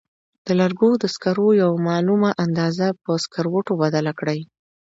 د لرګو د سکرو یوه معلومه اندازه په سکروټو بدله کړئ.